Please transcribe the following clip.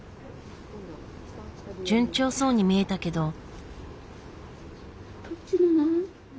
順調そうに見えたけど。